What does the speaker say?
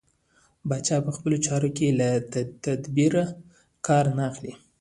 پاچا په خپلو چارو کې له تدبېره کار نه اخلي.